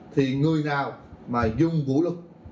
thì người nào mà dùng vũ lực